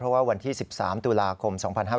วันที่๑๓ตุลาคม๒๕๕๙